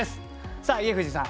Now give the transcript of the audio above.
さあ家藤さん